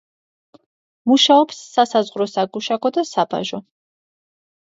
მუშაობს სასაზღვრო საგუშაგო და საბაჟო.